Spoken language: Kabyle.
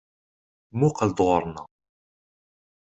Muqqel-d ɣuṛ-nneɣ!